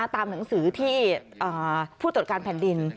ตามหนังสือที่ผู้ตรวจการแผ่นดิน